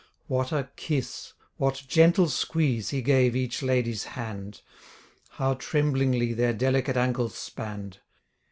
What a kiss, What gentle squeeze he gave each lady's hand! How tremblingly their delicate ancles spann'd!